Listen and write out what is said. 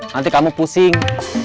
nanti kamu pusing